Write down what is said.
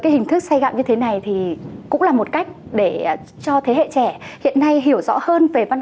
cái hình thức xay gạo như thế này thì cũng là một cách để cho thế hệ trẻ hiện nay hiểu rõ hơn về văn